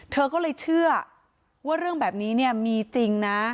เธอก็เลยเชื่อว่าเรื่องแบบนี้เนี่ยมีจริงนะ